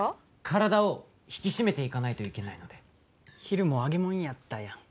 体を引き締めていかないといけないので昼も揚げ物やったやん